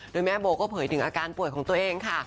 โดยแม่โบก็เผยถึงอาการป่วยของตัวเองค่ะ